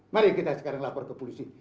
mari kita sekarang lapor ke polisi